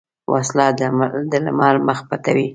وسله د لمر مخ پټوي